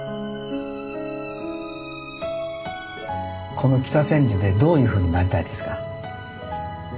この北千住でどういうふうになりたいですか？